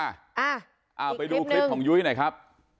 อ่ะอีกคลิปหนึ่งไปดูคลิปของยุ้ยหน่อยครับ